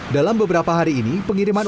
dalam beberapa hari ini pengiriman